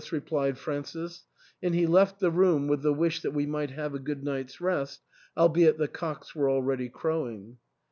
263 rius," replied Francis, and he left the room with the wish that we might have a good night's rest, albeit the cocks were already crowing.